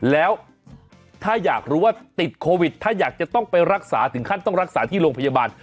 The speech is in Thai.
แล้วถ้าอยากรู้ว่าติดโควิดถ้าอยากจะต้องไปรักษาถึงขั้นต้องรักษาที่โรงพยาบาล